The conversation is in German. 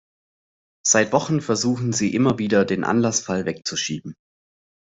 Seit Wochen versuchen Sie immer wieder, den Anlassfall wegzuschieben.